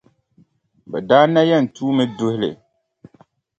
Bɛ daa na yɛn tuumi duhi li.